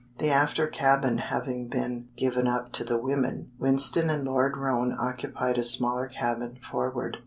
The after cabin having been given up to the women, Winston and Lord Roane occupied a smaller cabin forward.